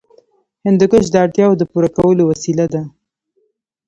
هندوکش د اړتیاوو د پوره کولو وسیله ده.